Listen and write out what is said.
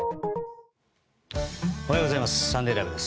おはようございます。